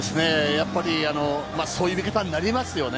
やっぱりそういう見方になりますよね。